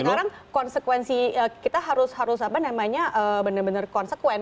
sekarang konsekuensi kita harus apa namanya benar benar konsekuen